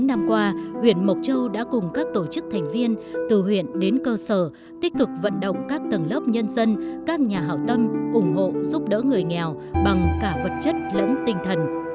chín năm qua huyện mộc châu đã cùng các tổ chức thành viên từ huyện đến cơ sở tích cực vận động các tầng lớp nhân dân các nhà hảo tâm ủng hộ giúp đỡ người nghèo bằng cả vật chất lẫn tinh thần